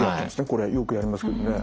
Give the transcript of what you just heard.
これよくやりますけどね。